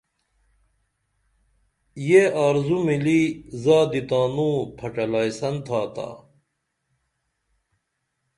یہ آرزو مِلی زادی تانوں پھڇلائی سن تھاتا